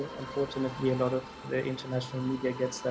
kebenarannya banyak media internasional mengalami hal yang salah